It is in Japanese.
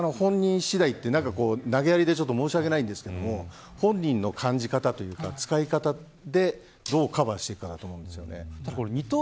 本人次第って、投げやりで申し訳ないんですけれども本人の感じ方というか使い方でどうカバーしていくかだと思います。